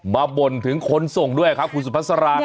บ่นถึงคนส่งด้วยครับคุณสุภาษา